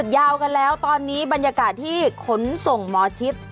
ยาวกันแล้วตอนนี้บรรยากาศที่ขนส่งหมอชิด